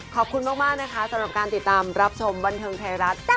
ขอบคุณมากนะคะสำหรับการติดตามรับชมบันเทิงไทยรัฐ